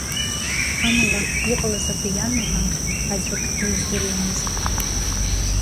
Амала, иҟалаз абриами ҳәа аӡәы акгьы издыруамызт.